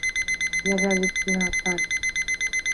ЙӘЛӘЛЕТДИН АТАЙ